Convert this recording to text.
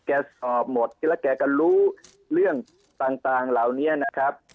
สอบหมดแล้วแกก็รู้เรื่องต่างเหล่านี้นะครับ